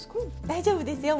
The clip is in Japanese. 大丈夫ですよ。